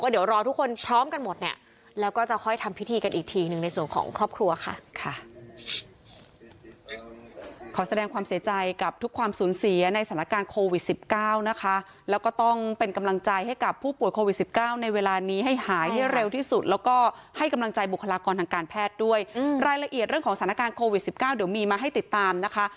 เดี๋ยวรอทุกคนพร้อมกันหมดเนี่ยแล้วก็จะค่อยทำพิธีกันอีกทีหนึ่งในส่วนของครอบครัวค่ะ